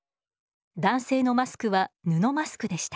男性のマスクは布マスクでした。